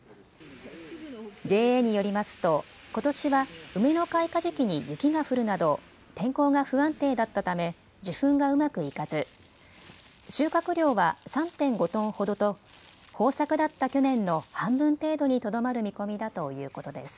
ＪＡによりますと、ことしは梅の開花時期に雪が降るなど天候が不安定だったため受粉がうまくいかず収穫量は３．５トンほどと豊作だった去年の半分程度にとどまる見込みだということです。